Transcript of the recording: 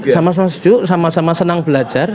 sama sama sejuk sama sama senang belajar